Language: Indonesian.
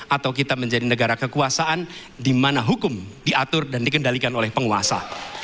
atau kita menjadi negara kekuasaan di mana hukum diatur dan dikendalikan oleh penguasa